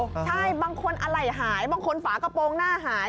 ใช่บางคนอะไหล่หายบางคนฝากระโปรงหน้าหาย